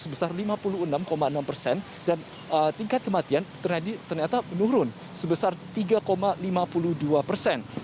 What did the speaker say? sebesar lima puluh enam enam persen dan tingkat kematian ternyata menurun sebesar tiga lima puluh dua persen